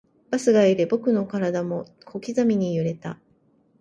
バスが揺れ、僕の体も小刻みに揺れた